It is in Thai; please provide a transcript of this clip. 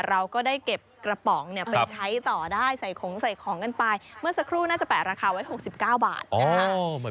เราก็ได้เก็บกระป๋องเนี่ยไปใช้ต่อได้ใส่ของใส่ของกันไปเมื่อสักครู่น่าจะแปะราคาไว้๖๙บาทนะคะ